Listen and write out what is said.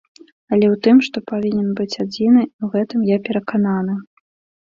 Але ў тым, што павінен быць адзіны, у гэтым я перакананы.